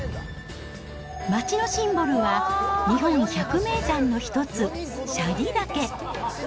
町のシンボルは、日本百名山の一つ、斜里岳。